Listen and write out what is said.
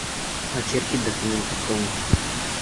Очерки, документы, хроника.